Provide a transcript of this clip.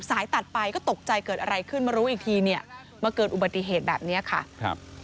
สายตัดไปก็ตกใจเกิดอะไรขึ้นมารู้อีกทีเนี่ยมาเกิดอุบัติเหตุแบบนี้ค่ะครับ